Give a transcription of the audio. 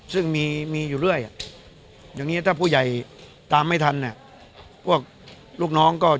ซึ่งมีอยู่เรื่อยอย่างนี้ถ้าผู้ใหญ่ตามไม่ทันเนี่ยพวกลูกน้องก็